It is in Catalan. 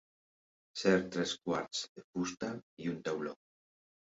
Ser tres quarts de fusta i un tauló.